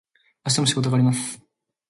明日も仕事があります。